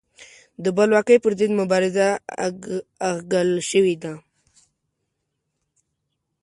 د بلواکۍ پر ضد مبارزه اغږل شوې ده.